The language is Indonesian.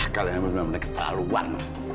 kalian benar benar terlalu warna